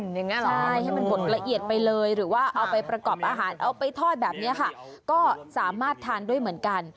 อย่างนี้เหรอใช่ให้มันบดละเอียดไปเลยหรือว่าเอาไปประกอบอาหารเอาไปทอดแบบนี้ค่ะก็สามารถทานด้วยเหมือนกัน